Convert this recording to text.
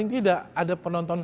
ketika berada di hari antaranya